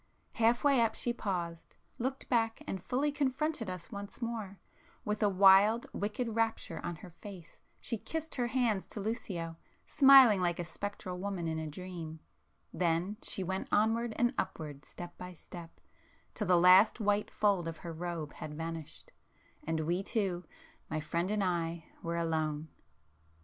Half way up she paused—looked back and fully confronted us once more,—with a wild wicked rapture on her face she kissed her hands to Lucio, smiling like a spectral woman in a dream,—then she went onward and upward step by step, till the last white fold of her robe had vanished,—and we two,—my friend and I,—were alone.